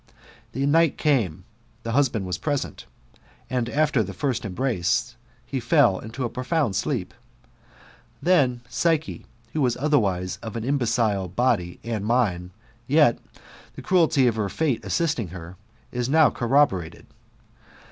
The night came, the husband was present, and after the first embrace he fell into a profound sleep. Then Psyche, whp was otherwise of an imbecile body and mind, yet, the cruelty of fate assisting her, is now corroborated.